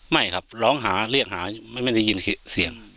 ไม่ครับร้องหาเรียกหาไม่ได้ยินเสียง